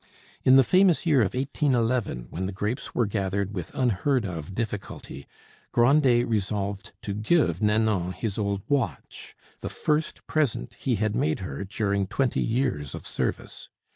In the famous year of 1811, when the grapes were gathered with unheard of difficulty, Grandet resolved to give Nanon his old watch, the first present he had made her during twenty years of service.